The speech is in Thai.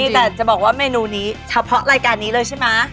แต่จะบอกว่าเมนูนี้เฉพาะรายการนี้เลยใช่ไหม